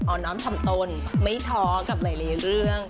ออกน้องทำตนไม่ถ้ากับรายละเอียดเรื่อง